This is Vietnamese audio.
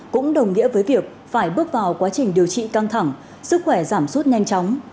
cũng đồng nghĩa với việc phải bước vào quá trình điều trị căng thẳng sức khỏe giảm suốt nhanh chóng